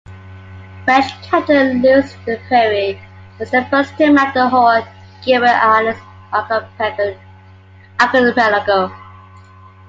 French captain Louis Duperrey was the first to map the whole Gilbert Islands archipelago.